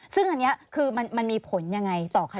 ซึ่งอันนี้คือมันมีผลยังไงต่อคะ